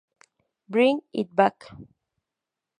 Bring It Back!